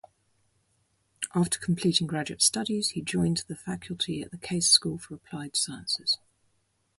After completing graduate studies he joined the faculty at Case School for Applied Sciences.